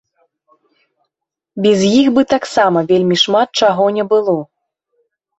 Без іх бы таксама вельмі шмат чаго не было.